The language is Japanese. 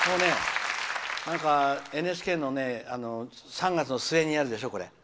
なんか、ＮＨＫの３月の末にやるでしょ。